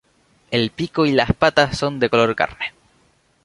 El pico y las patas son de color carne.